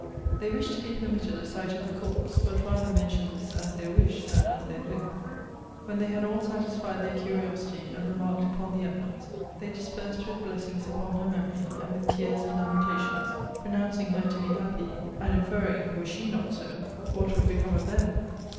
They wished to be permitted a sight of the corpse; but rather mentioned this as their wish than as their hope. When they had all satisfied their curiosity, and remarked upon the emblems, they dispersed with blessings upon her memory, and with tears and lamentations; pronouncing her to be happy; and inferring, were she not so, what would become of them?